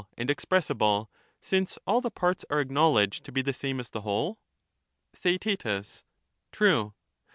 and expressible, since all the parts are acknowledged to be the same as the whole ? Theaet, True.